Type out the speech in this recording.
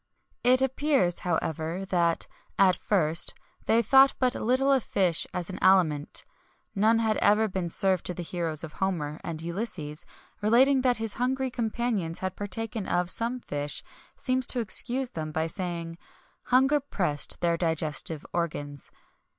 It appears, however, that, at first, they thought but little of fish as an aliment. None had ever been served to the heroes of Homer, and Ulysses, relating that his hungry companions had partaken of some fish, seems to excuse them, by saying: "Hunger pressed their digestive organs."